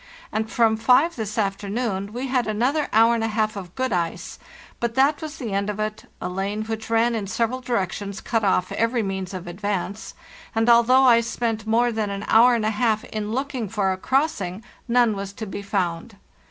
And from five this afternoon we had another hour and a half of good ice, but that was the end of it; a lane which ran in several directions cut off every means of advance, and although I spent more than an hour and a half in looking for a crossing, none was to be found.